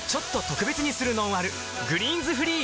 「グリーンズフリー」